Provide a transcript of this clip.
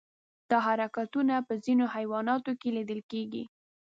دا حرکتونه په ځینو حیواناتو کې لیدل کېږي.